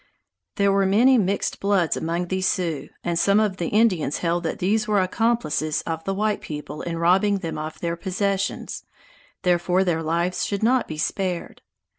There were many mixed bloods among these Sioux, and some of the Indians held that these were accomplices of the white people in robbing them of their possessions, therefore their lives should not be spared.